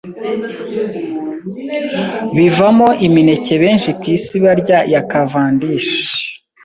bivamo imineke benshi ku isi barya ya Cavendish